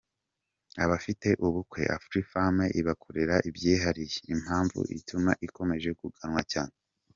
Abafite ubukwe, Afrifame ibakorera ibyihariye, impamvu ituma ikomeje kuganwa cyane.